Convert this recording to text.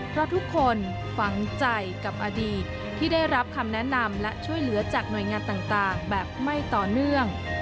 เพราะทุกคนฝังใจกับอดีตที่ได้รับคำแนะนำและช่วยเหลือจากหน่วยงานต่างแบบไม่ต่อเนื่อง